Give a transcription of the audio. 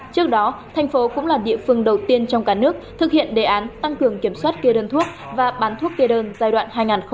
trước đó thành phố cũng là địa phương đầu tiên trong cả nước thực hiện đề án tăng cường kiểm soát kê đơn thuốc và bán thuốc kê đơn giai đoạn hai nghìn một mươi chín hai nghìn hai mươi